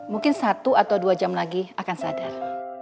mungkin satu atau dua jam lagi akan sadar